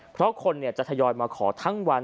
เพราะคนจะทยอยมาขอทั้งวัน